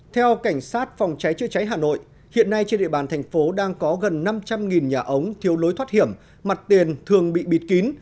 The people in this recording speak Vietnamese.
theo cảnh sát phòng cháy chữa cháy hà nội hiện nay trên địa bàn thành phố đang có gần năm trăm linh nhà ống thiếu lối thoát hiểm mặt tiền thường bị bịt kín